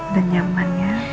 dan nyaman ya